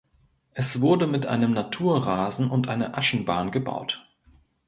Es wurde mit einem Naturrasen und einer Aschenbahn gebaut.